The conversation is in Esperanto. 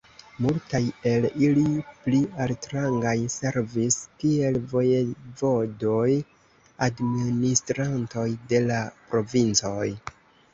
Multaj el ili, pli altrangaj, servis kiel vojevodoj, administrantoj de la provincoj.